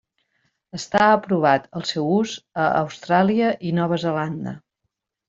Està aprovat el seu ús a Austràlia i Nova Zelanda.